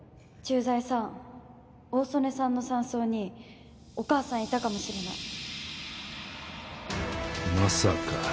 駐在さん大曾根さんの山荘にお母さんいたかもしれないまさか。